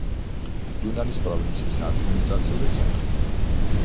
იუნანის პროვინციის ადმინისტრაციული ცენტრი.